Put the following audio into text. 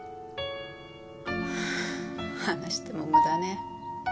話しても無駄ね。